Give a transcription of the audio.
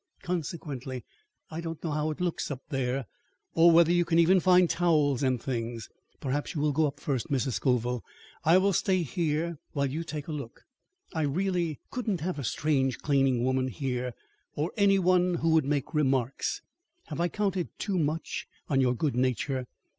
Consequently, I don't know how it looks up there or whether you can even find towels and things. Perhaps you will go up first, Mrs. Scoville. I will stay here while you take a look. I really, couldn't have a strange cleaning woman here, or any one who would make remarks. Have I counted too much on your good nature?"